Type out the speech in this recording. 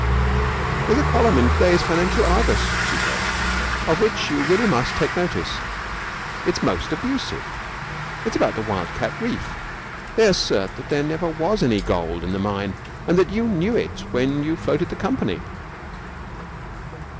"There's a column in to day's Financial Argus," she said, "of which you really must take notice. It's most abusive. It's about the Wildcat Reef. They assert that there never was any gold in the mine, and that you knew it when you floated the company."